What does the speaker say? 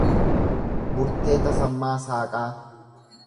Burtee Tasammaa Saaqaa